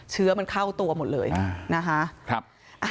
เชื้อมันเข้าตัวหมดเลยนะคะ